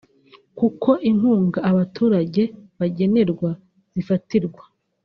kuko inkunga abaturage bagenerwa zifatirwa